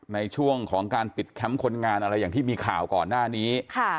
ในช่วงของการปิดแคมป์คนงานอะไรอย่างที่มีข่าวก่อนหน้านี้